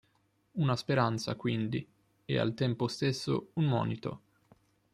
Una speranza, quindi, e al tempo stesso un monito".